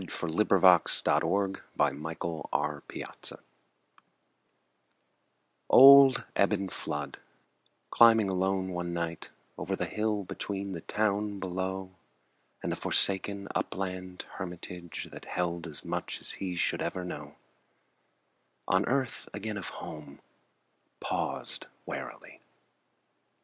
Edwin Arlington Robinson Mr. Flood's Party OLD Eben Flood, climbing alone one night Over the hill between the town below And the forsaken upland hermitage That held as much as he should ever know On earth again of home, paused warily.